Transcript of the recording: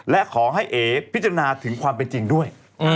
และขอให้เอ๋พิจารณาถึงความเป็นจริงด้วย